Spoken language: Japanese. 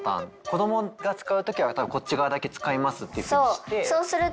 子どもが使う時は多分こっち側だけ使いますっていうふうにして。